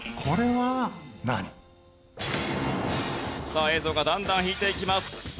さあ映像がだんだん引いていきます。